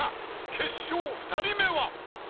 ［決勝２人目は］